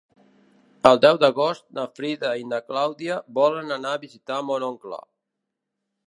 El deu d'agost na Frida i na Clàudia volen anar a visitar mon oncle.